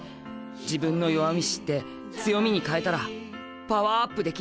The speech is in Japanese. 自分の弱み知って強みに変えたらパワーアップできる。